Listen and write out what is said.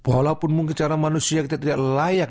walaupun mungkin cara manusia kita tidak layak